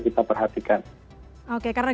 kita perhatikan oke karena